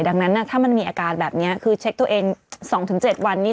ดังนั้นถ้ามันมีอาการแบบนี้คือเช็คตัวเอง๒๗วันนี้